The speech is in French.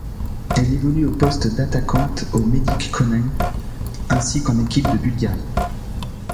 Elle évolue au poste d'attaquante au Medyk Konin, ainsi qu'en équipe de Bulgarie.